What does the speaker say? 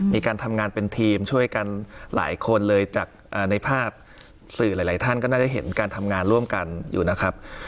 มีการทำงานเป็นทีมช่วยกันหลายคนเลยจากในภาพสื่อหลายท่านก็น่าจะเห็นการทำงานร่วมกันอยู่นะครับ